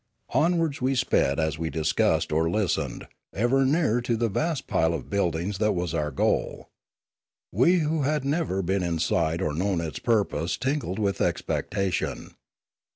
Onwards we sped as we discussed or listened, ever nearer to the vast pile of buildings that was our goal. We who had never been inside or known its purpose tingled with expectation.